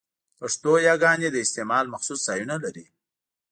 پښتو يګاني د استعمال مخصوص ځایونه لري؛